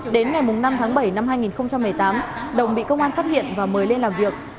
đến ngày năm tháng bảy năm hai nghìn một mươi tám đồng bị công an phát hiện và mời lên làm việc